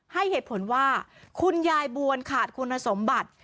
ให้เหตุผลว่าคุณยายบวนขาดคุณสมบัติ